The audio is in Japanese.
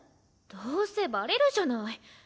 どうせバレるじゃない。